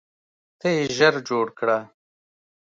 ته یې ژر جوړ کړه.